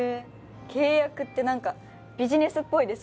契約って何かビジネスっぽいですね。